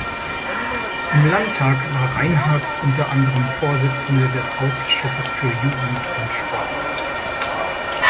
Im Landtag war Reinhardt unter anderem Vorsitzende des Ausschusses für Jugend und Sport.